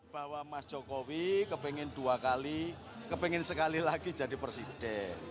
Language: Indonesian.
bahwa mas jokowi kepengen dua kali kepingin sekali lagi jadi presiden